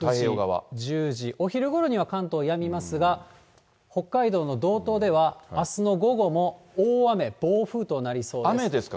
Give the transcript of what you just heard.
９時、１０時、お昼ごろには関東やみますが、北海道の道東ではあすの午後も、大雨、暴風となりそうです。